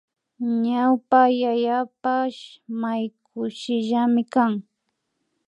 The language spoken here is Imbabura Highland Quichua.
Ñukapa yayapash may kushillami kan